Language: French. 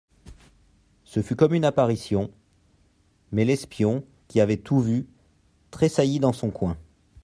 Ce fut comme une apparition ; mais l'espion, qui avait tout vu, tressaillit dans son coin.